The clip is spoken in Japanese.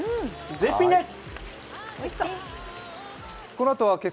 絶品です！